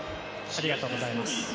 ありがとうございます。